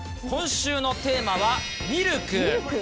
今週のテーマはミルク。